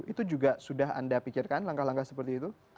itu juga sudah anda pikirkan langkah langkah seperti itu